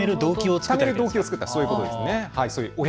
ためる動機を作ったということですね。